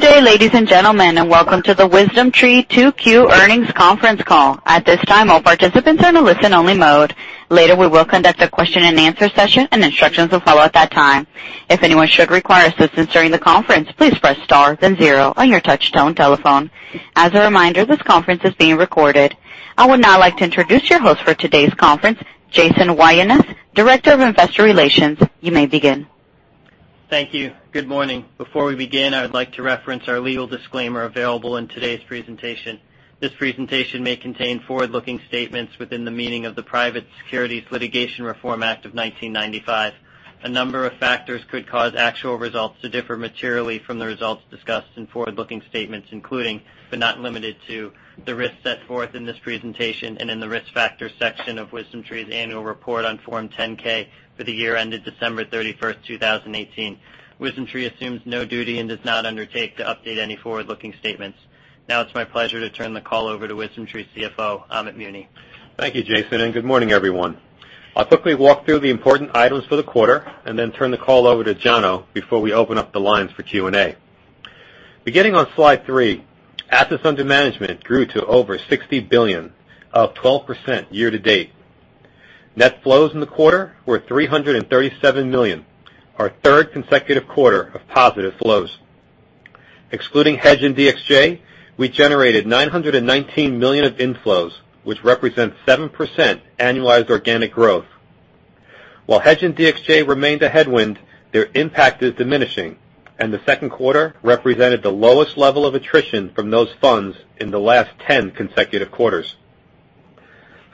Good day, ladies and gentlemen, and welcome to the WisdomTree 2Q earnings conference call. At this time, all participants are in a listen-only mode. Later, we will conduct a question and answer session, and instructions will follow at that time. If anyone should require assistance during the conference, please press star then zero on your touch-tone telephone. As a reminder, this conference is being recorded. I would now like to introduce your host for today's conference, Jason Weyeneth, Director of Investor Relations. You may begin. Thank you. Good morning. Before we begin, I would like to reference our legal disclaimer available in today's presentation. This presentation may contain forward-looking statements within the meaning of the Private Securities Litigation Reform Act of 1995. A number of factors could cause actual results to differ materially from the results discussed in forward-looking statements, including, but not limited to, the risks set forth in this presentation and in the Risk Factors section of WisdomTree's annual report on Form 10-K for the year ended December 31st, 2018. WisdomTree assumes no duty and does not undertake to update any forward-looking statements. Now it's my pleasure to turn the call over to WisdomTree's CFO, Amit Muni. Thank you, Jason, and good morning, everyone. I'll quickly walk through the important items for the quarter and then turn the call over to Jono before we open up the lines for Q&A. Beginning on slide three, assets under management grew to over $60 billion, up 12% year to date. Net flows in the quarter were $337 million, our third consecutive quarter of positive flows. Excluding HEDJ and DXJ, we generated $919 million of inflows, which represents 7% annualized organic growth. While HEDJ and DXJ remained a headwind, their impact is diminishing, and the second quarter represented the lowest level of attrition from those funds in the last 10 consecutive quarters.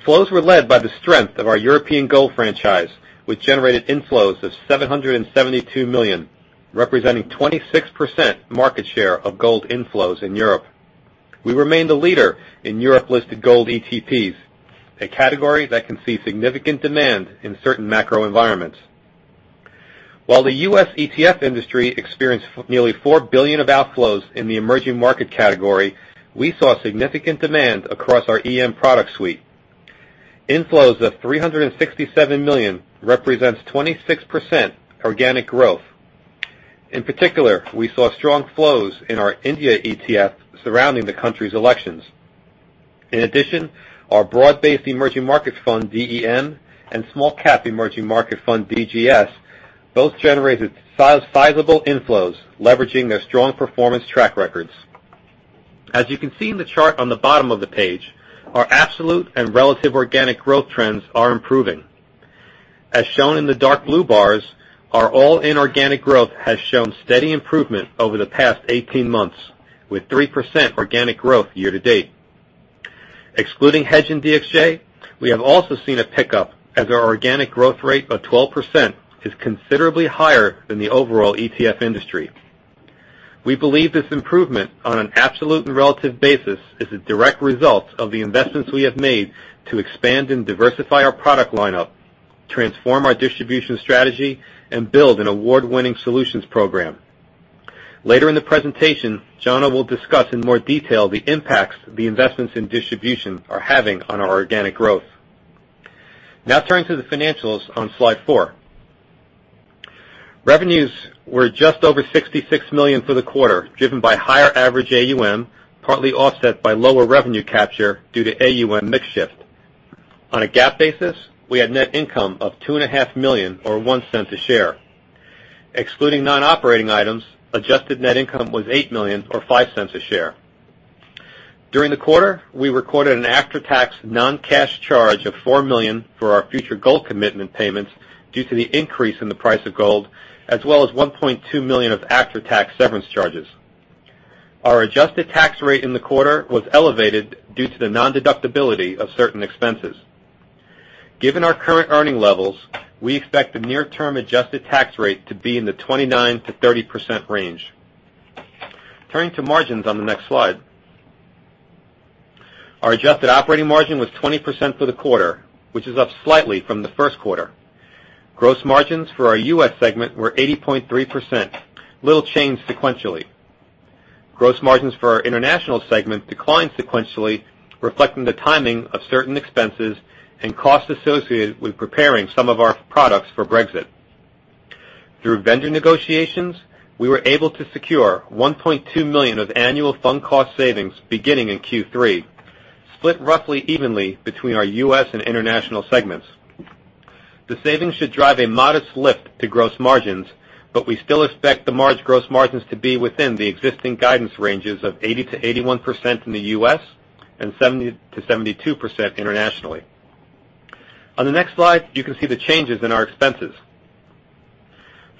Flows were led by the strength of our European gold franchise, which generated inflows of $772 million, representing 26% market share of gold inflows in Europe. We remain the leader in Europe-listed gold ETPs, a category that can see significant demand in certain macro environments. While the U.S. ETF industry experienced nearly $4 billion of outflows in the emerging market category, we saw significant demand across our EM product suite. Inflows of $367 million represents 26% organic growth. In particular, we saw strong flows in our India ETF surrounding the country's elections. In addition, our broad-based emerging markets fund, DEM, and small cap emerging market fund, DGS, both generated sizable inflows leveraging their strong performance track records. As you can see in the chart on the bottom of the page, our absolute and relative organic growth trends are improving. As shown in the dark blue bars, our all-in organic growth has shown steady improvement over the past 18 months, with 3% organic growth year to date. Excluding hedge and DXJ, we have also seen a pickup as our organic growth rate of 12% is considerably higher than the overall ETF industry. We believe this improvement on an absolute and relative basis is a direct result of the investments we have made to expand and diversify our product lineup, transform our distribution strategy, and build an award-winning solutions program. Later in the presentation, Jono will discuss in more detail the impacts the investments in distribution are having on our organic growth. Now turning to the financials on slide four. Revenues were just over $66 million for the quarter, driven by higher average AUM, partly offset by lower revenue capture due to AUM mix shift. On a GAAP basis, we had net income of $2.5 million, or $0.01 a share. Excluding non-operating items, adjusted net income was $8 million, or $0.05 a share. During the quarter, we recorded an after-tax non-cash charge of $4 million for our future gold commitment payments due to the increase in the price of gold, as well as $1.2 million of after-tax severance charges. Our adjusted tax rate in the quarter was elevated due to the non-deductibility of certain expenses. Given our current earning levels, we expect the near-term adjusted tax rate to be in the 29%-30% range. Turning to margins on the next slide. Our adjusted operating margin was 20% for the quarter, which is up slightly from the first quarter. Gross margins for our U.S. segment were 80.3%, little change sequentially. Gross margins for our international segment declined sequentially, reflecting the timing of certain expenses and costs associated with preparing some of our products for Brexit. Through vendor negotiations, we were able to secure $1.2 million of annual fund cost savings beginning in Q3, split roughly evenly between our U.S. and international segments. We still expect the March gross margins to be within the existing guidance ranges of 80%-81% in the U.S., and 70%-72% internationally. On the next slide, you can see the changes in our expenses.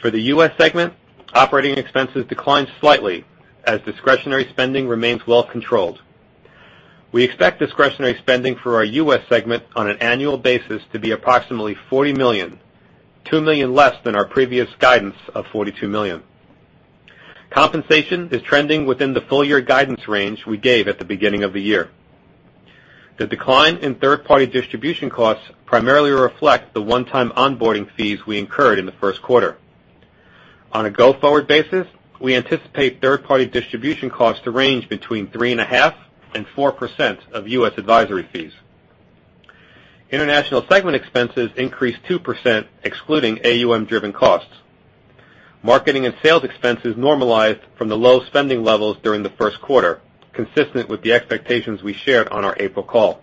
For the U.S. segment, operating expenses declined slightly as discretionary spending remains well controlled. We expect discretionary spending for our U.S. segment on an annual basis to be approximately $40 million, $2 million less than our previous guidance of $42 million. Compensation is trending within the full-year guidance range we gave at the beginning of the year. The decline in third-party distribution costs primarily reflect the one-time onboarding fees we incurred in the first quarter. On a go-forward basis, we anticipate third-party distribution costs to range between 3.5% and 4% of U.S. advisory fees. International segment expenses increased 2%, excluding AUM-driven costs. Marketing and sales expenses normalized from the low spending levels during the first quarter, consistent with the expectations we shared on our April call.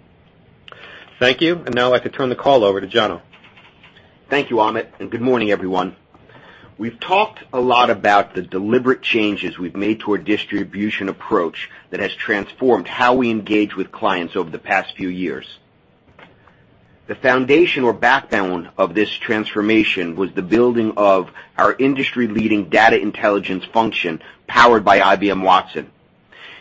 Thank you. Now I'd like to turn the call over to Jono. Thank you, Amit, and good morning, everyone. We've talked a lot about the deliberate changes we've made to our distribution approach that has transformed how we engage with clients over the past few years. The foundation or backbone of this transformation was the building of our industry-leading data intelligence function, powered by IBM Watson.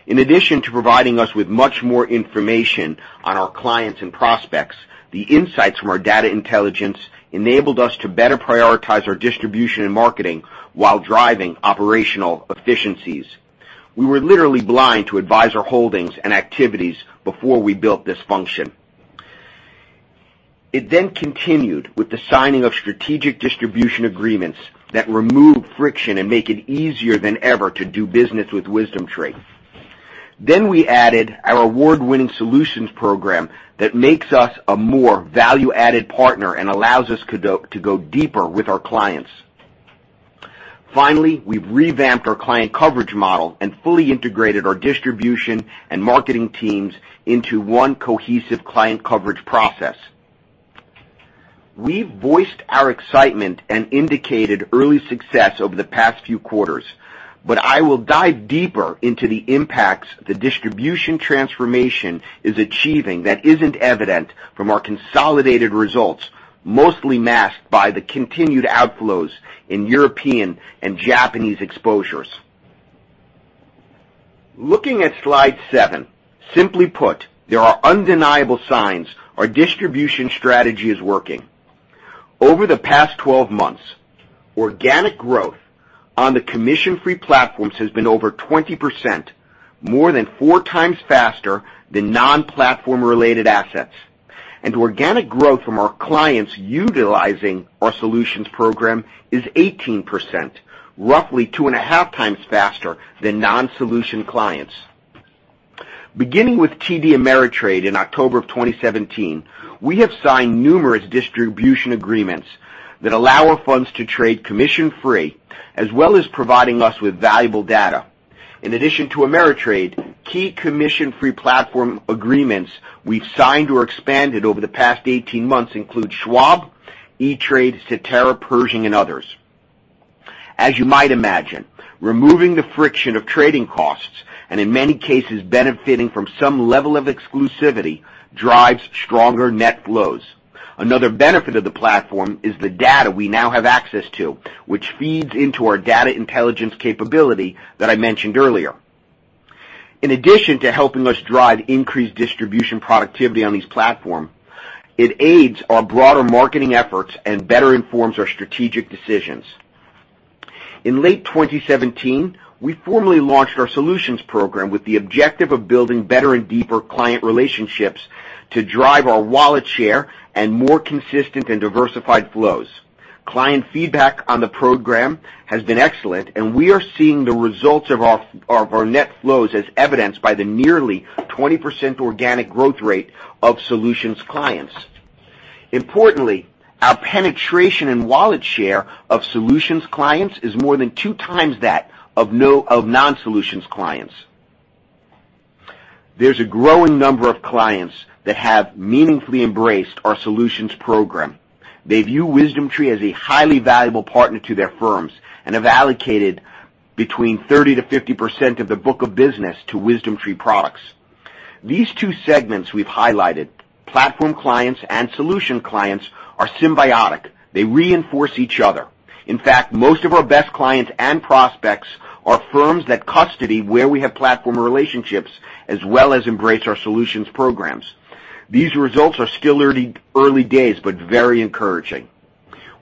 In addition to providing us with much more information on our clients and prospects, the insights from our data intelligence enabled us to better prioritize our distribution and marketing, while driving operational efficiencies. We were literally blind to adviser holdings and activities before we built this function. It continued with the signing of strategic distribution agreements that remove friction and make it easier than ever to do business with WisdomTree. We added our award-winning solutions program that makes us a more value-added partner and allows us to go deeper with our clients. Finally, we've revamped our client coverage model and fully integrated our distribution and marketing teams into one cohesive client coverage process. We've voiced our excitement and indicated early success over the past few quarters, but I will dive deeper into the impacts the distribution transformation is achieving that isn't evident from our consolidated results, mostly masked by the continued outflows in European and Japanese exposures. Looking at slide seven, simply put, there are undeniable signs our distribution strategy is working. Over the past 12 months, organic growth on the commission-free platforms has been over 20%, more than four times faster than non-platform related assets. Organic growth from our clients utilizing our solutions program is 18%, roughly two and a half times faster than non-solution clients. Beginning with TD Ameritrade in October of 2017, we have signed numerous distribution agreements that allow our funds to trade commission-free, as well as providing us with valuable data. In addition to Ameritrade, key commission-free platform agreements we've signed or expanded over the past 18 months include Schwab, E*TRADE, Cetera, Pershing, and others. As you might imagine, removing the friction of trading costs, and in many cases benefiting from some level of exclusivity, drives stronger net flows. Another benefit of the platform is the data we now have access to, which feeds into our data intelligence capability that I mentioned earlier. In addition to helping us drive increased distribution productivity on these platform, it aids our broader marketing efforts and better informs our strategic decisions. In late 2017, we formally launched our Solutions Program with the objective of building better and deeper client relationships to drive our wallet share and more consistent and diversified flows. Client feedback on the program has been excellent, we are seeing the results of our net flows as evidenced by the nearly 20% organic growth rate of Solutions clients. Importantly, our penetration and wallet share of Solutions clients is more than two times that of non-Solutions clients. There's a growing number of clients that have meaningfully embraced our Solutions Program. They view WisdomTree as a highly valuable partner to their firms and have allocated between 30%-50% of the book of business to WisdomTree products. These two segments we've highlighted, platform clients and Solutions clients, are symbiotic. They reinforce each other. In fact, most of our best clients and prospects are firms that custody where we have platform relationships, as well as embrace our solutions programs. These results are still early days, but very encouraging.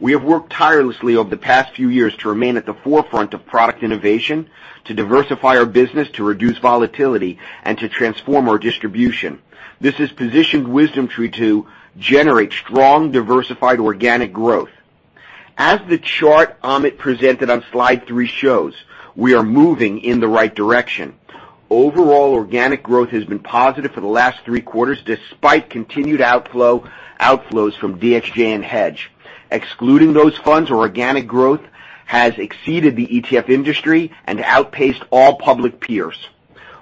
We have worked tirelessly over the past few years to remain at the forefront of product innovation, to diversify our business, to reduce volatility, and to transform our distribution. This has positioned WisdomTree to generate strong, diversified organic growth. As the chart Amit presented on slide three shows, we are moving in the right direction. Overall organic growth has been positive for the last three quarters, despite continued outflows from DXJ and HEDJ. Excluding those funds or organic growth has exceeded the ETF industry and outpaced all public peers.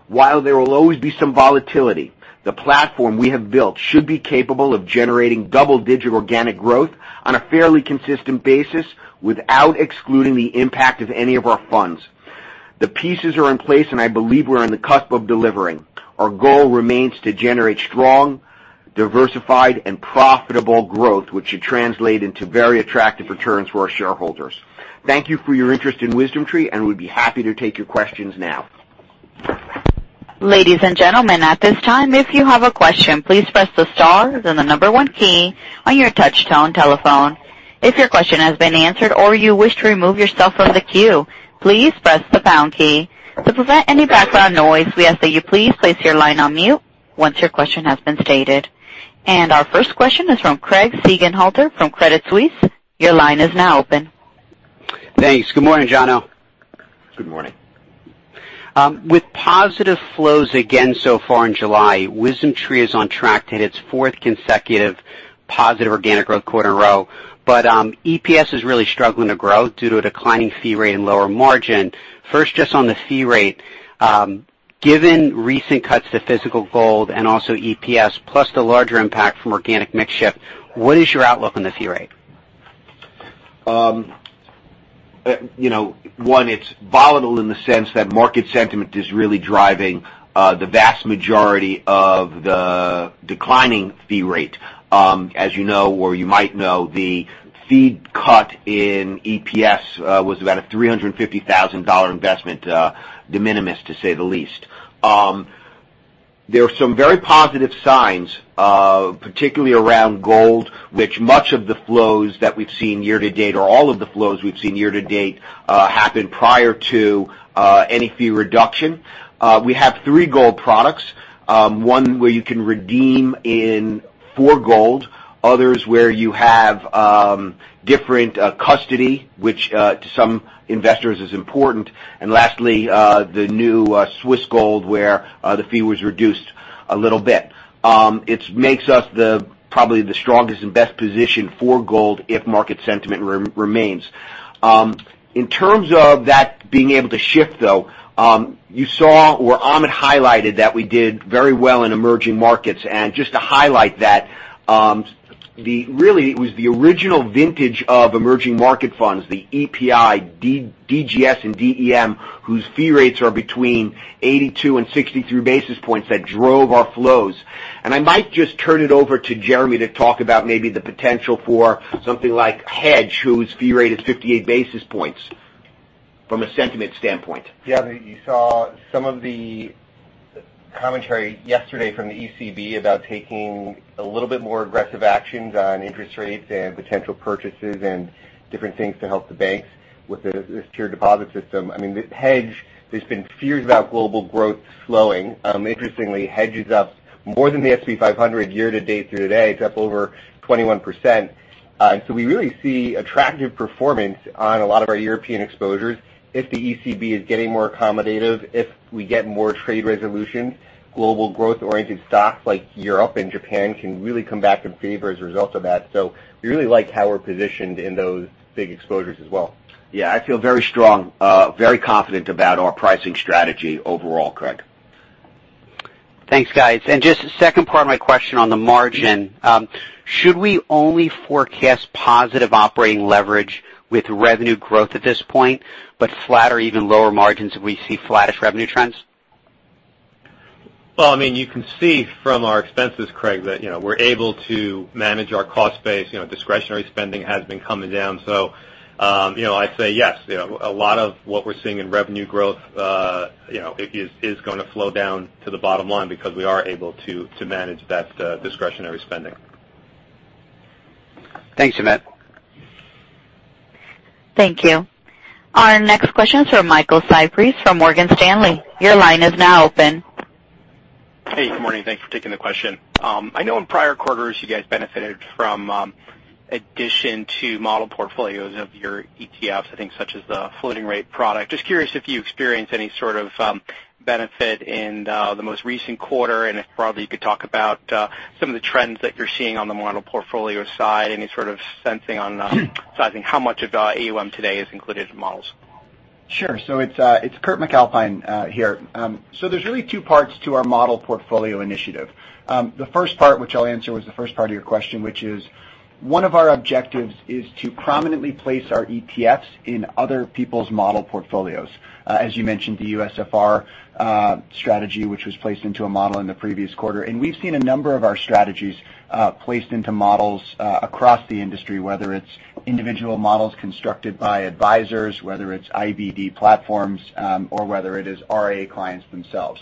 While there will always be some volatility, the platform we have built should be capable of generating double-digit organic growth on a fairly consistent basis without excluding the impact of any of our funds. The pieces are in place, and I believe we're on the cusp of delivering. Our goal remains to generate strong, diversified, and profitable growth, which should translate into very attractive returns for our shareholders. Thank you for your interest in WisdomTree, and we'd be happy to take your questions now. Ladies and gentlemen, at this time, if you have a question, please press the star then the number 1 key on your touch tone telephone. If your question has been answered or you wish to remove yourself from the queue, please press the pound key. To prevent any background noise, we ask that you please place your line on mute once your question has been stated. Our first question is from Craig Siegenthaler from Credit Suisse. Your line is now open. Thanks. Good morning, Jono. Good morning. With positive flows again so far in July, WisdomTree is on track to hit its fourth consecutive positive organic growth quarter in a row. EPS is really struggling to grow due to a declining fee rate and lower margin. First, just on the fee rate, given recent cuts to physical gold and also EPS, plus the larger impact from organic mix shift, what is your outlook on the fee rate? One, it's volatile in the sense that market sentiment is really driving the vast majority of the declining fee rate. As you know, or you might know, the fee cut in EPS was about a $350,000 investment, de minimis, to say the least. There are some very positive signs, particularly around gold, which much of the flows that we've seen year to date, or all of the flows we've seen year to date, happened prior to any fee reduction. We have three gold products. One where you can redeem in four gold, others where you have different custody, which to some investors is important, and lastly, the new Swiss gold, where the fee was reduced a little bit. It makes us probably the strongest and best positioned for gold if market sentiment remains. In terms of that being able to shift, though, you saw where Amit highlighted that we did very well in emerging markets. Just to highlight that, really, it was the original vintage of emerging market funds, the EPI, DGS, and DEM, whose fee rates are between 82 and 63 basis points, that drove our flows. I might just turn it over to Jeremy to talk about maybe the potential for something like HEDJ, whose fee rate is 58 basis points from a sentiment standpoint. Yeah. You saw some of the commentary yesterday from the ECB about taking a little bit more aggressive actions on interest rates and potential purchases and different things to help the banks with the secure deposit system. HEDJ, there's been fears about global growth slowing. Interestingly, HEDJ is up more than the S&P 500 year to date through today. It's up over 21%. We really see attractive performance on a lot of our European exposures. If the ECB is getting more accommodative, if we get more trade resolution, global growth-oriented stocks like Europe and Japan can really come back in favor as a result of that. We really like how we're positioned in those big exposures as well. Yeah, I feel very strong, very confident about our pricing strategy overall, Craig. Thanks, guys. Just the second part of my question on the margin. Should we only forecast positive operating leverage with revenue growth at this point, but flatter even lower margins if we see flattish revenue trends? Well, you can see from our expenses, Craig, that we're able to manage our cost base. Discretionary spending has been coming down. I'd say yes. A lot of what we're seeing in revenue growth is going to flow down to the bottom line because we are able to manage that discretionary spending. Thanks, Amit. Thank you. Our next question is from Michael Cyprys from Morgan Stanley. Your line is now open. Hey, good morning. Thanks for taking the question. I know in prior quarters, you guys benefited from addition to model portfolios of your ETFs, I think, such as the floating rate product. Just curious if you experienced any sort of benefit in the most recent quarter, and if probably you could talk about some of the trends that you're seeing on the model portfolio side, any sort of sensing on sizing, how much of the AUM today is included in models? Sure. It's Kurt MacAlpine here. There's really two parts to our model portfolio initiative. The first part, which I'll answer was the first part of your question, which is one of our objectives is to prominently place our ETFs in other people's model portfolios. As you mentioned, the USFR strategy, which was placed into a model in the previous quarter. We've seen a number of our strategies placed into models across the industry, whether it's individual models constructed by advisors, whether it's IBD platforms, or whether it is RIA clients themselves.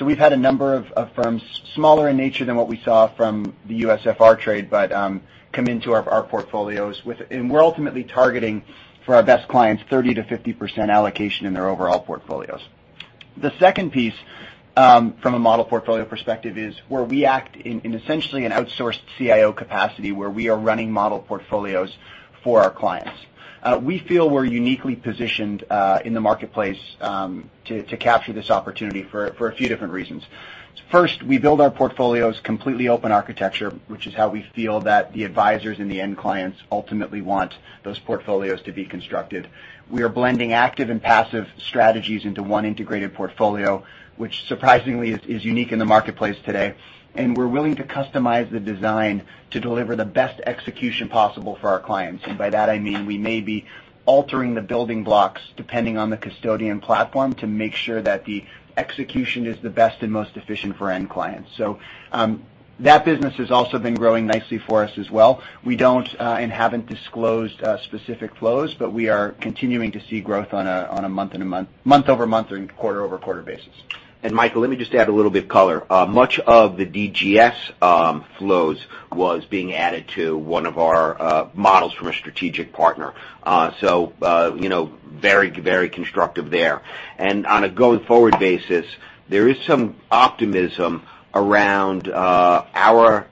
We've had a number of firms, smaller in nature than what we saw from the USFR trade, but come into our portfolios. We're ultimately targeting for our best clients 30%-50% allocation in their overall portfolios. The second piece, from a model portfolio perspective, is where we act in essentially an outsourced CIO capacity, where we are running model portfolios for our clients. We feel we're uniquely positioned in the marketplace to capture this opportunity for a few different reasons. First, we build our portfolios completely open architecture, which is how we feel that the advisors and the end clients ultimately want those portfolios to be constructed. We are blending active and passive strategies into one integrated portfolio, which surprisingly is unique in the marketplace today, and we're willing to customize the design to deliver the best execution possible for our clients. By that, I mean we may be altering the building blocks depending on the custodian platform to make sure that the execution is the best and most efficient for end clients. That business has also been growing nicely for us as well. We don't, and haven't disclosed specific flows, but we are continuing to see growth on a month-over-month and quarter-over-quarter basis. Michael, let me just add a little bit of color. Much of the DGS flows was being added to one of our models from a strategic partner. Very constructive there. On a going forward basis, there is some optimism around our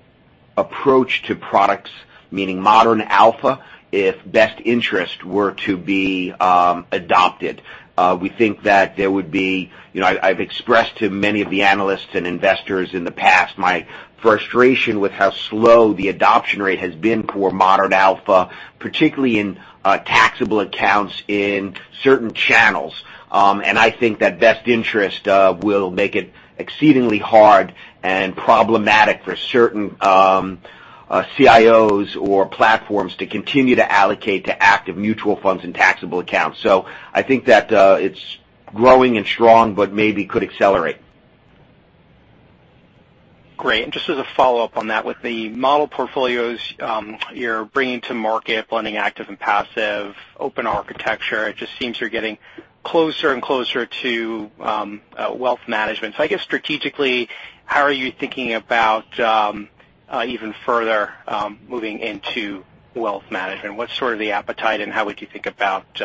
approach to products, meaning Modern Alpha. If Best Interest were to be adopted, I've expressed to many of the analysts and investors in the past my frustration with how slow the adoption rate has been for Modern Alpha, particularly in taxable accounts in certain channels. I think that Best Interest will make it exceedingly hard and problematic for certain CIOs or platforms to continue to allocate to active mutual funds in taxable accounts. I think that it's growing and strong, but maybe could accelerate. Great. Just as a follow-up on that, with the model portfolios you're bringing to market, blending active and passive, open architecture, it just seems you're getting closer and closer to wealth management. I guess strategically, how are you thinking about even further moving into wealth management? What's sort of the appetite, and how would you think about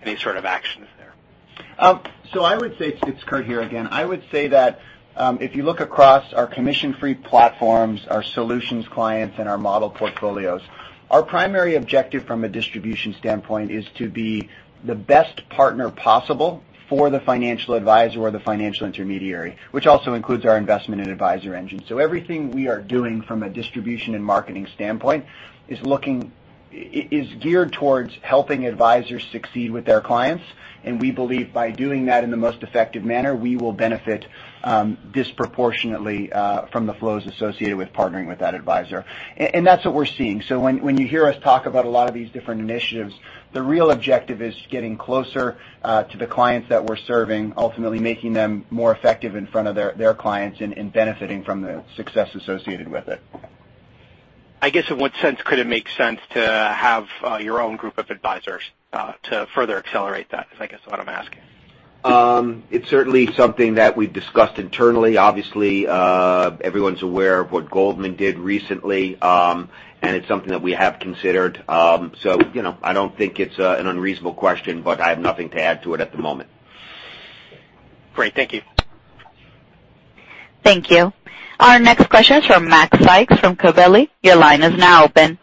any sort of actions there? I would say, it's Kurt here again. I would say that if you look across our commission-free platforms, our solutions clients, and our model portfolios, our primary objective from a distribution standpoint is to be the best partner possible for the financial advisor or the financial intermediary, which also includes our investment in AdvisorEngine. Everything we are doing from a distribution and marketing standpoint is geared towards helping advisors succeed with their clients. We believe by doing that in the most effective manner, we will benefit disproportionately from the flows associated with partnering with that advisor. That's what we're seeing. When you hear us talk about a lot of these different initiatives, the real objective is getting closer to the clients that we're serving, ultimately making them more effective in front of their clients and benefiting from the success associated with it. I guess, in what sense could it make sense to have your own group of advisors to further accelerate that, is, I guess, what I'm asking? It's certainly something that we've discussed internally. Obviously, everyone's aware of what Goldman did recently, and it's something that we have considered. I don't think it's an unreasonable question, but I have nothing to add to it at the moment. Great. Thank you. Thank you. Our next question is from Mac Sykes from Gabelli. Your line is now open.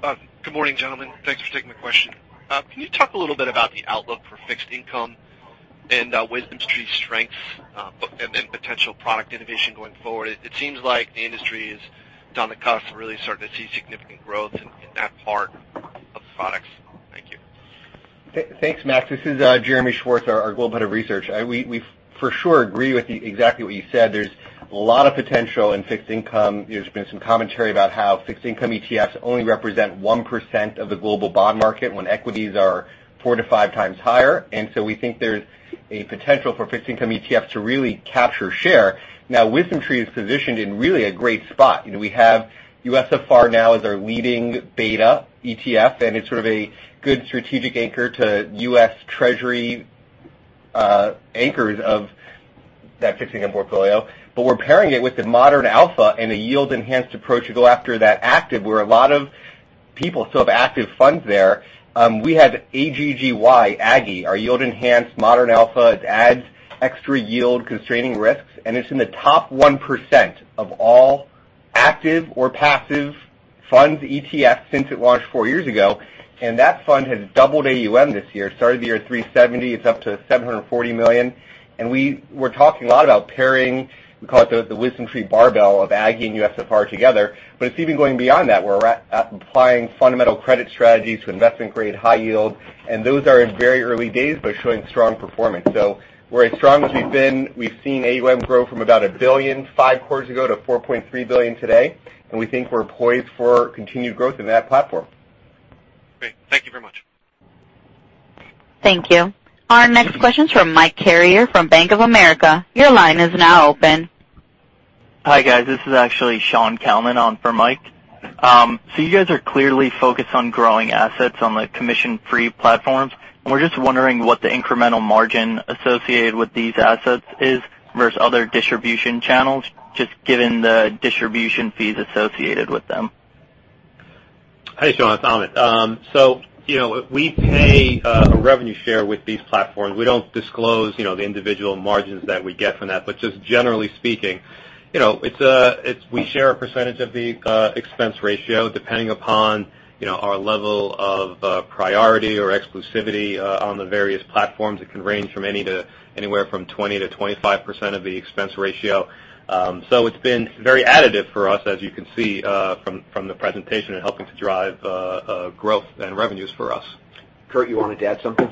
Good morning, gentlemen. Thanks for taking my question. Can you talk a little bit about the outlook for fixed income and WisdomTree's strengths, and then potential product innovation going forward? It seems like the industry is, down the cusp, really starting to see significant growth in that part of the products. Thank you. Thanks, Mac. This is Jeremy Schwartz, our Global Head of Research. We, for sure, agree with exactly what you said. There's a lot of potential in fixed income. There's been some commentary about how fixed income ETFs only represent 1% of the global bond market when equities are 4 to 5 times higher. We think there's a potential for fixed income ETFs to really capture share. Now, WisdomTree is positioned in really a great spot. We have USFR now as our leading beta ETF, and it's sort of a good strategic anchor to U.S. Treasury anchors of that fixed income portfolio. We're pairing it with the Modern Alpha and a yield-enhanced approach to go after that active, where a lot of people still have active funds there. We have AGGY, our yield-enhanced Modern Alpha. It adds extra yield, constraining risks, and it's in the top 1% of all active or passive funds, ETF, since it launched four years ago. That fund has doubled AUM this year. Started the year at $370 million, it's up to $740 million. We're talking a lot about pairing, we call it the WisdomTree barbell of AGGY and USFR together. It's even going beyond that. We're applying fundamental credit strategies to investment-grade high yield, and those are in very early days but showing strong performance. We're as strong as we've been. We've seen AUM grow from about $1.5 billion quarters ago to $4.3 billion today, and we think we're poised for continued growth in that platform. Great. Thank you very much. Thank you. Our next question's from Mike Carrier from Bank of America. Your line is now open. Hi, guys. This is actually Sean Kalman on for Mike. You guys are clearly focused on growing assets on the commission-free platforms, and we're just wondering what the incremental margin associated with these assets is versus other distribution channels, just given the distribution fees associated with them? Hey, Sean, it's Amit. We pay a revenue share with these platforms. We don't disclose the individual margins that we get from that. Just generally speaking, we share a percentage of the expense ratio depending upon our level of priority or exclusivity on the various platforms. It can range from anywhere from 20%-25% of the expense ratio. It's been very additive for us, as you can see from the presentation, in helping to drive growth and revenues for us. Kurt, you wanted to add something?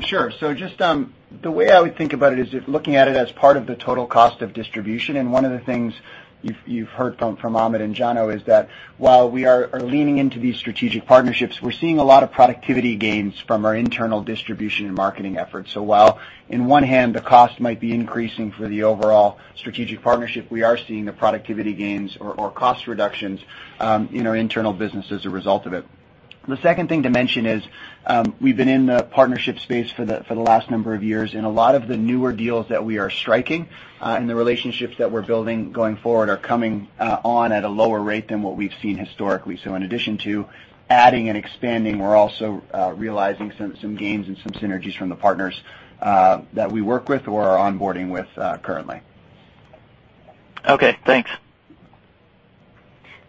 Sure. Just the way I would think about it is, looking at it as part of the total cost of distribution. One of the things you've heard from Amit and Jono is that while we are leaning into these strategic partnerships, we're seeing a lot of productivity gains from our internal distribution and marketing efforts. While on one hand, the cost might be increasing for the overall strategic partnership, we are seeing the productivity gains or cost reductions in our internal business as a result of it. The second thing to mention is, we've been in the partnership space for the last number of years, and a lot of the newer deals that we are striking and the relationships that we're building going forward are coming on at a lower rate than what we've seen historically. In addition to adding and expanding, we're also realizing some gains and some synergies from the partners that we work with or are onboarding with currently. Okay, thanks.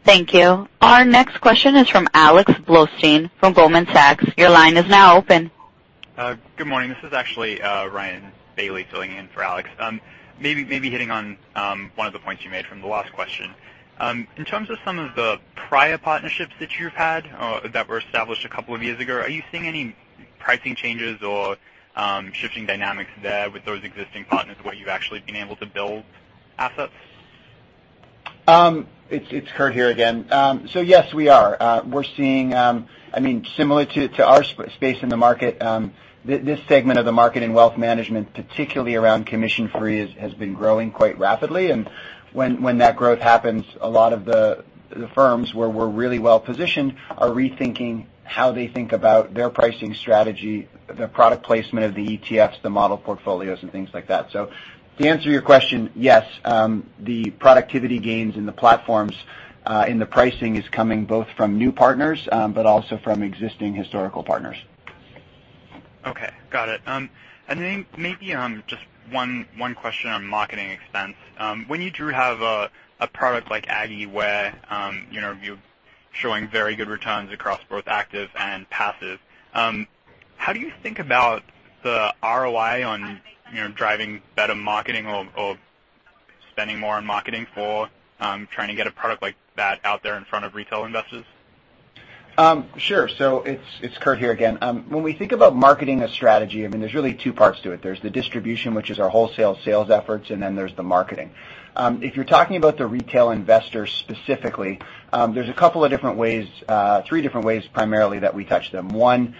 Thank you. Our next question is from Alex Blostein from Goldman Sachs. Your line is now open. Good morning. This is actually Ryan Bailey filling in for Alex. Maybe hitting on one of the points you made from the last question. In terms of some of the prior partnerships that you've had that were established a couple of years ago, are you seeing any pricing changes or shifting dynamics there with those existing partners where you've actually been able to build assets? It's Kurt here again. Yes, we are. We're seeing, similar to our space in the market, this segment of the market in wealth management, particularly around commission-free, has been growing quite rapidly. When that growth happens, a lot of the firms where we're really well-positioned are rethinking how they think about their pricing strategy, the product placement of the ETFs, the model portfolios, and things like that. To answer your question, yes, the productivity gains in the platforms, in the pricing is coming both from new partners, but also from existing historical partners. Okay. Got it. Maybe just one question on marketing expense. When you do have a product like AGGY where you're showing very good returns across both active and passive, how do you think about the ROI on driving better marketing or spending more on marketing for trying to get a product like that out there in front of retail investors? Sure. It's Kurt here again. When we think about marketing a strategy, there's really two parts to it. There's the distribution, which is our wholesale sales efforts, and then there's the marketing. If you're talking about the retail investor specifically, there's a couple of different ways, three different ways primarily that we touch them. One,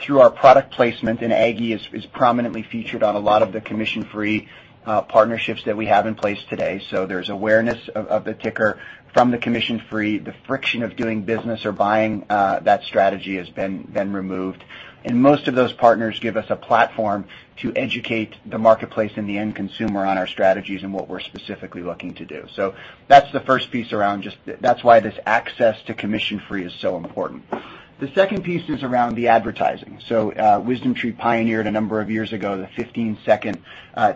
through our product placement, AGGY is prominently featured on a lot of the commission-free partnerships that we have in place today. There's awareness of the ticker from the commission-free. The friction of doing business or buying that strategy has been removed. Most of those partners give us a platform to educate the marketplace and the end consumer on our strategies and what we're specifically looking to do. That's the first piece around that's why this access to commission-free is so important. The second piece is around the advertising. WisdomTree pioneered a number of years ago, the 15-second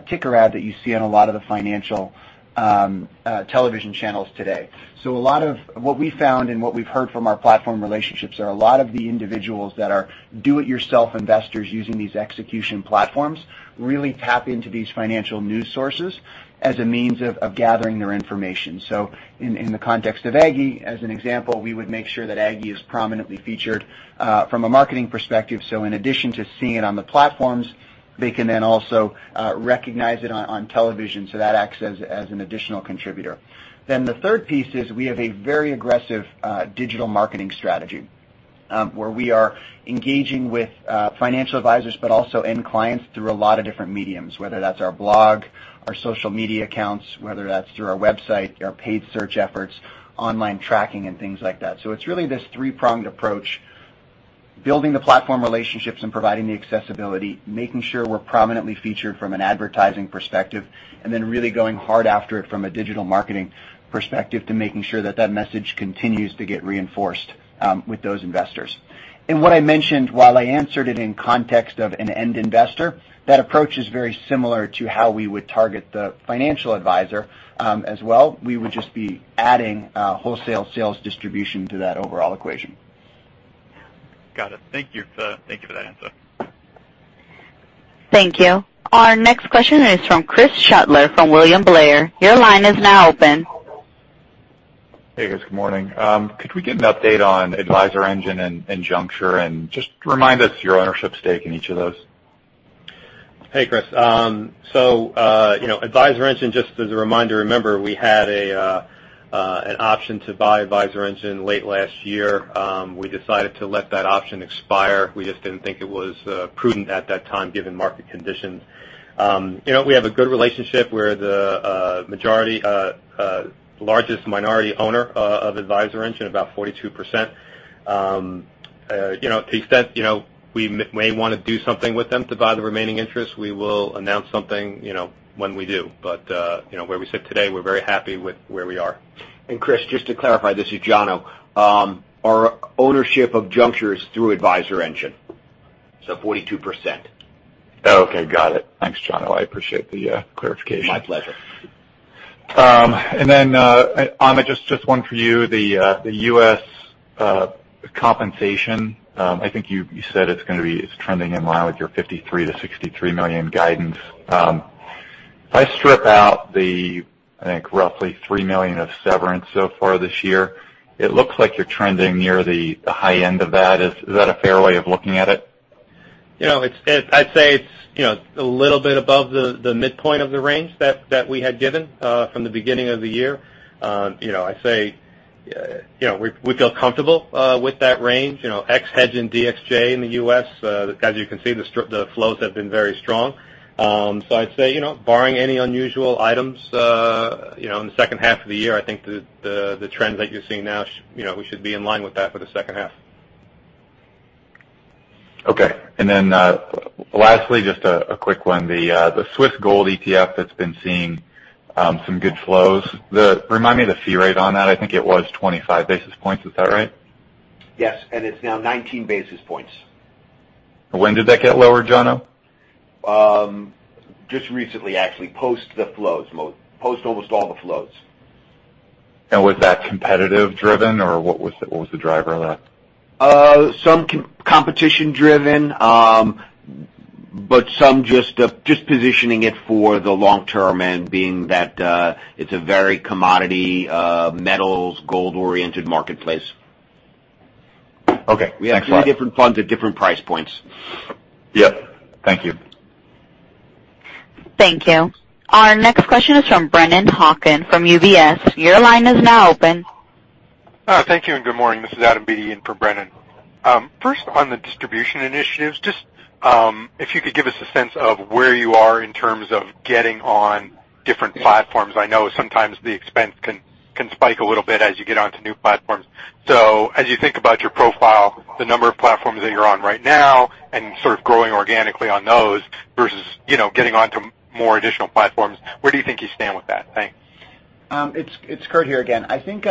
ticker ad that you see on a lot of the financial television channels today. A lot of what we found and what we've heard from our platform relationships are a lot of the individuals that are do it yourself investors using these execution platforms really tap into these financial news sources as a means of gathering their information. In the context of AGGY, as an example, we would make sure that AGGY is prominently featured, from a marketing perspective. In addition to seeing it on the platforms, they can then also recognize it on television. That acts as an additional contributor. The third piece is we have a very aggressive digital marketing strategy, where we are engaging with financial advisors, but also end clients through a lot of different mediums, whether that's our blog, our social media accounts, whether that's through our website, our paid search efforts, online tracking, and things like that. It's really this three-pronged approach, building the platform relationships and providing the accessibility, making sure we're prominently featured from an advertising perspective, and then really going hard after it from a digital marketing perspective to making sure that that message continues to get reinforced with those investors. What I mentioned, while I answered it in context of an end investor, that approach is very similar to how we would target the financial advisor as well. We would just be adding wholesale sales distribution to that overall equation. Got it. Thank you for that answer. Thank you. Our next question is from Chris Shutler from William Blair. Your line is now open. Hey, guys. Good morning. Could we get an update on AdvisorEngine and Junxure? Just remind us your ownership stake in each of those. Hey, Chris. AdvisorEngine, just as a reminder, remember, we had an option to buy AdvisorEngine late last year. We decided to let that option expire. We just didn't think it was prudent at that time given market conditions. We have a good relationship. We're the largest minority owner of AdvisorEngine, about 42%. To the extent we may want to do something with them to buy the remaining interest, we will announce something when we do. Where we sit today, we're very happy with where we are. Chris, just to clarify, this is Jono. Our ownership of Junxure is through AdvisorEngine, so 42%. Okay, got it. Thanks, Jono. I appreciate the clarification. My pleasure. Amit, just one for you. The U.S. compensation, I think you said it's going to be trending in line with your $53 million-$63 million guidance. If I strip out the, I think, roughly $3 million of severance so far this year, it looks like you're trending near the high end of that. Is that a fair way of looking at it? I'd say it's a little bit above the midpoint of the range that we had given from the beginning of the year. I'd say we feel comfortable with that range. Ex hedge and DXJ in the U.S., as you can see, the flows have been very strong. I'd say, barring any unusual items, in the second half of the year, I think the trend that you're seeing now, we should be in line with that for the second half. Okay. Lastly, just a quick one. The Swiss gold ETF that's been seeing some good flows. Remind me the fee rate on that. I think it was 25 basis points. Is that right? Yes, it's now 19 basis points. When did that get lower, Jono? Just recently, actually. Post the flows. Post almost all the flows. Was that competitive driven, or what was the driver of that? Some competition driven, but some just positioning it for the long term and being that it's a very commodity, metals, gold-oriented marketplace. Okay. Thanks a lot. We have many different funds at different price points. Yep. Thank you. Thank you. Our next question is from Brennan Hawken from UBS. Your line is now open. Thank you and good morning. This is Adam Beatty in for Brennan. First, on the distribution initiatives, just if you could give us a sense of where you are in terms of getting on different platforms. I know sometimes the expense can spike a little bit as you get onto new platforms. As you think about your profile, the number of platforms that you're on right now and sort of growing organically on those versus getting onto more additional platforms, where do you think you stand with that? Thanks. It's Kurt here again. I think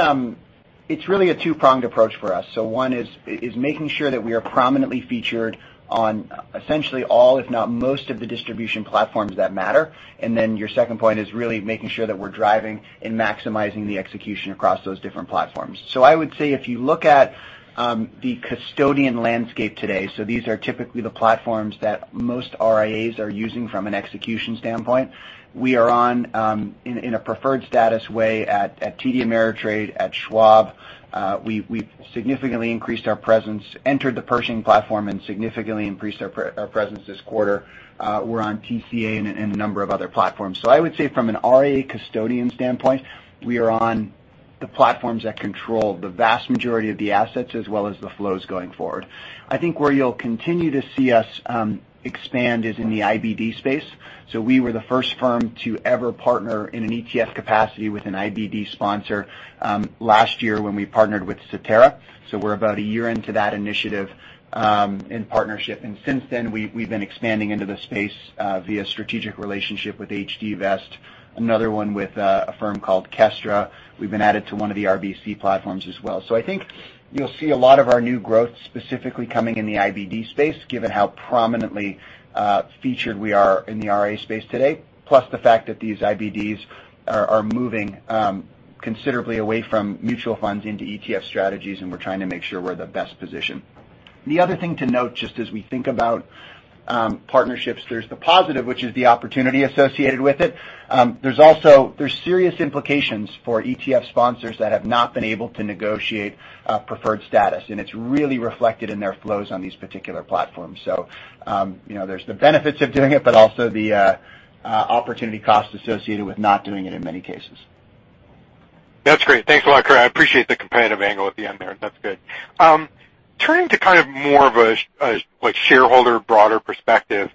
it's really a two-pronged approach for us. One is making sure that we are prominently featured on essentially all, if not most, of the distribution platforms that matter. Your second point is really making sure that we're driving and maximizing the execution across those different platforms. I would say if you look at the custodian landscape today, so these are typically the platforms that most RIAs are using from an execution standpoint. We are on, in a preferred status way, at TD Ameritrade, at Schwab. We've significantly increased our presence, entered the Pershing platform, and significantly increased our presence this quarter. We're on TCA and a number of other platforms. I would say from an RIA custodian standpoint, we are on the platforms that control the vast majority of the assets as well as the flows going forward. I think where you will continue to see us expand is in the IBD space. We were the first firm to ever partner in an ETF capacity with an IBD sponsor last year when we partnered with Cetera. We are about a year into that initiative in partnership. Since then, we have been expanding into the space, via strategic relationship with HD Vest, another one with a firm called Kestra. We have been added to one of the RBC platforms as well. I think you will see a lot of our new growth specifically coming in the IBD space, given how prominently featured we are in the RIA space today, plus the fact that these IBDs are moving considerably away from mutual funds into ETF strategies, and we are trying to make sure we are the best position. The other thing to note, just as we think about partnerships, there's the positive, which is the opportunity associated with it. There's serious implications for ETF sponsors that have not been able to negotiate a preferred status, and it's really reflected in their flows on these particular platforms. There's the benefits of doing it, but also the opportunity cost associated with not doing it in many cases. That's great. Thanks a lot, Kurt. I appreciate the competitive angle at the end there. That's good. Turning to kind of more of a shareholder broader perspective.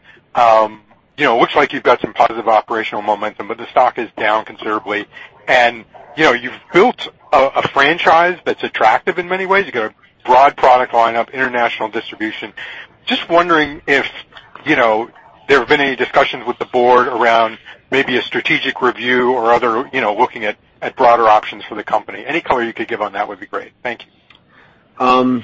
It looks like you've got some positive operational momentum, but the stock is down considerably. You've built a franchise that's attractive in many ways. You've got a broad product line of international distribution. Just wondering if there have been any discussions with the board around maybe a strategic review or other, looking at broader options for the company. Any color you could give on that would be great. Thank you.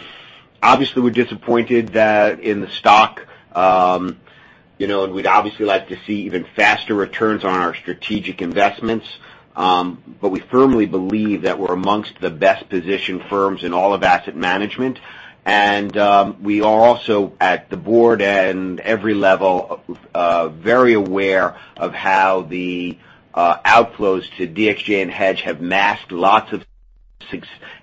We're disappointed that in the stock. We'd obviously like to see even faster returns on our strategic investments. We firmly believe that we're amongst the best-positioned firms in all of asset management. We are also, at the board and every level, very aware of how the outflows to DXJ and HEDJ have masked.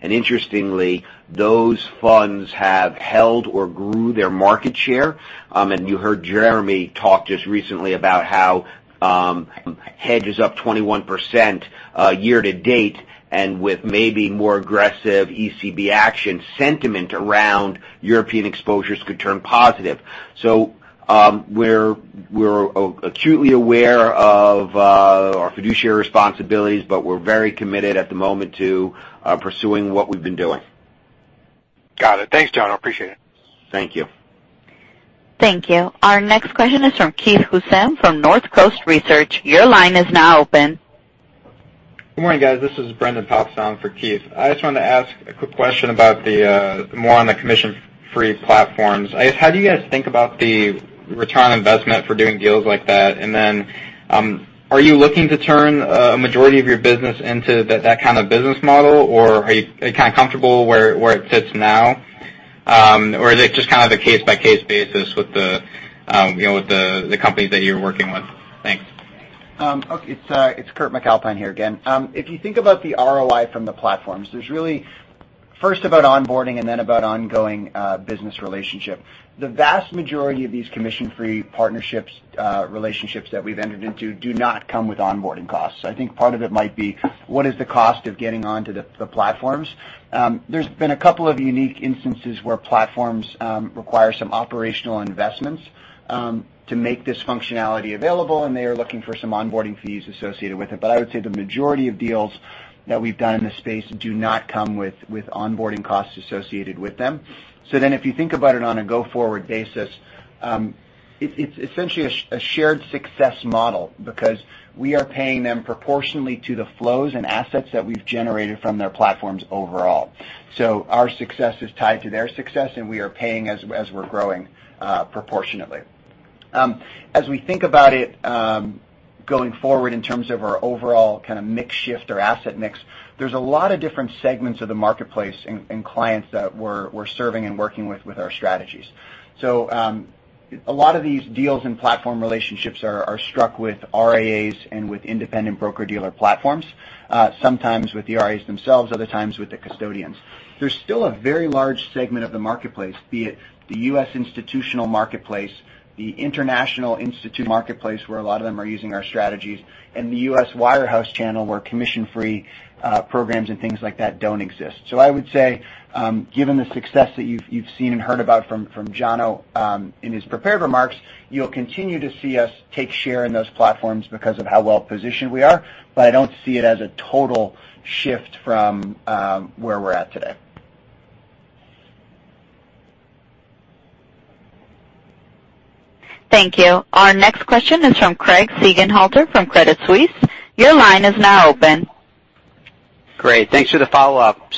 Interestingly, those funds have held or grew their market share. You heard Jeremy talk just recently about how HEDJ is up 21% year-to-date, and with maybe more aggressive ECB action sentiment around European exposures could turn positive. We're acutely aware of our fiduciary responsibilities, but we're very committed at the moment to pursuing what we've been doing. Got it. Thanks, Jono. Appreciate it. Thank you. Thank you. Our next question is from Keith Housum from Northcoast Research. Your line is now open. Good morning, guys. This is Brendan Popson for Keith. I just wanted to ask a quick question about more on the commission-free platforms. I guess, how do you guys think about the return on investment for doing deals like that? Are you looking to turn a majority of your business into that kind of business model, or are you kind of comfortable where it sits now? Is it just kind of a case-by-case basis with the companies that you're working with? Thanks. It's Kurt MacAlpine here again. If you think about the ROI from the platforms, there's really first about onboarding and then about ongoing business relationship. The vast majority of these commission-free partnerships, relationships that we've entered into do not come with onboarding costs. I think part of it might be what is the cost of getting onto the platforms. There's been a couple of unique instances where platforms require some operational investments to make this functionality available, and they are looking for some onboarding fees associated with it. I would say the majority of deals that we've done in the space do not come with onboarding costs associated with them. If you think about it on a go-forward basis. It's essentially a shared success model because we are paying them proportionally to the flows and assets that we've generated from their platforms overall. Our success is tied to their success, and we are paying as we're growing proportionately. As we think about it, going forward, in terms of our overall kind of mix shift or asset mix, there's a lot of different segments of the marketplace and clients that we're serving and working with our strategies. A lot of these deals and platform relationships are struck with RIAs and with independent broker-dealer platforms, sometimes with the RIAs themselves, other times with the custodians. There's still a very large segment of the marketplace, be it the U.S. institutional marketplace, the international institutional marketplace, where a lot of them are using our strategies, and the U.S. wire house channel, where commission-free programs and things like that don't exist. I would say, given the success that you've seen and heard about from Jono in his prepared remarks, you'll continue to see us take share in those platforms because of how well-positioned we are. I don't see it as a total shift from where we're at today. Thank you. Our next question is from Craig Siegenthaler from Credit Suisse. Your line is now open. Great. Thanks for the follow-up.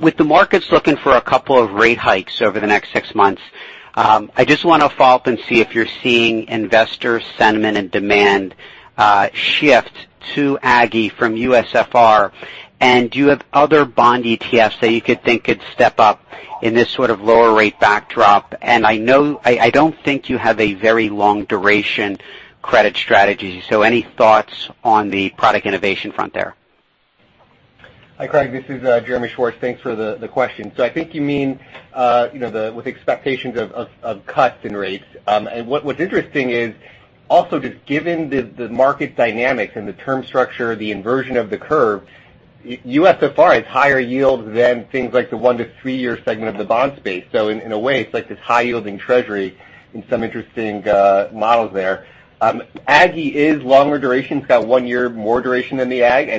With the markets looking for a couple of rate hikes over the next 6 months, I just want to follow up and see if you're seeing investor sentiment and demand shift to AGGY from USFR. Do you have other bond ETFs that you could think could step up in this sort of lower rate backdrop? I don't think you have a very long duration credit strategy, so any thoughts on the product innovation front there? Hi, Craig. This is Jeremy Schwartz. Thanks for the question. I think you mean, with expectations of cuts in rates. What's interesting is also, just given the market dynamics and the term structure, the inversion of the curve, USFR has higher yields than things like the 1 to 3-year segment of the bond space. In a way, it's like this high yielding Treasury in some interesting models there. AGGY is longer duration. It's got one year more duration than the AG.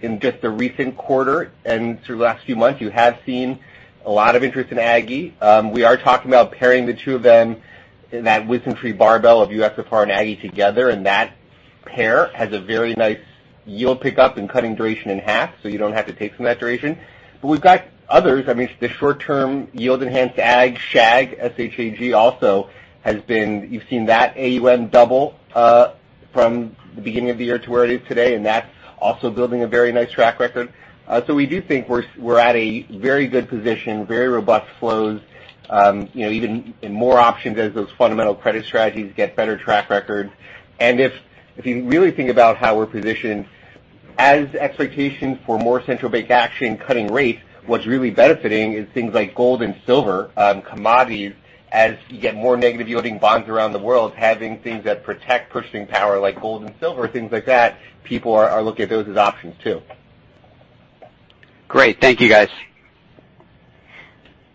In just the recent quarter and through the last few months, you have seen a lot of interest in AGGY. We are talking about pairing the two of them in that WisdomTree barbell of USFR and AGGY together, that pair has a very nice yield pickup and cutting duration in half, you don't have to take from that duration. We've got others. The short-term yield enhanced AGG, SHAG, S-H-A-G, also you've seen that AUM double from the beginning of the year to where it is today, and that's also building a very nice track record. We do think we're at a very good position, very robust flows, even in more options as those fundamental credit strategies get better track record. If you really think about how we're positioned as expectations for more central bank action cutting rates, what's really benefiting is things like gold and silver, commodities. As you get more negative yielding bonds around the world, having things that protect purchasing power, like gold and silver, things like that, people are looking at those as options, too. Great. Thank you, guys.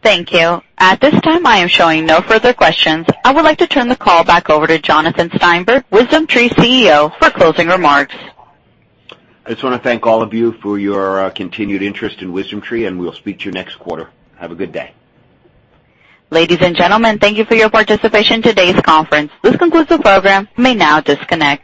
Thank you. At this time, I am showing no further questions. I would like to turn the call back over to Jonathan Steinberg, WisdomTree CEO, for closing remarks. I just want to thank all of you for your continued interest in WisdomTree, and we'll speak to you next quarter. Have a good day. Ladies and gentlemen, thank you for your participation in today's conference. This concludes the program. You may now disconnect.